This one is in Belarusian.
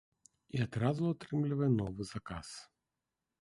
І адразу атрымлівае новы заказ.